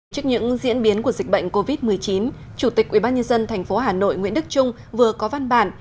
trước những diễn biến của dịch bệnh covid một mươi chín chủ tịch ubnd tp hà nội nguyễn đức trung vừa có văn bản